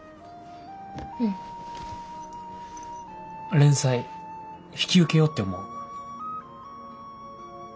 連載引き受けようって思う。